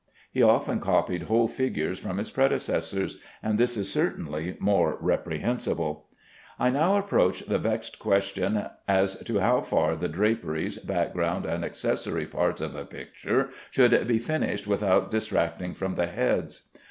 He often copied whole figures from his predecessors, and this is certainly more reprehensible. I now approach the vexed question as to how far the draperies, background, and accessory parts of a picture should be finished without detracting from the heads.